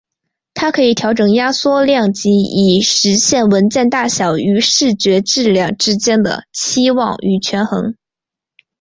它可以调整压缩量级以实现文件大小与视觉质量之间的期望与权衡。